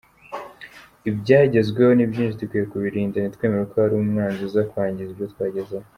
Ibyagezweho ni byinshi, dukwiye kubirinda, ntitwemere ko hagira umwanzi uza kwnagiza ibyo twagezeho.